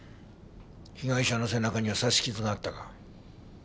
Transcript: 被害者の背中には刺し傷があったが。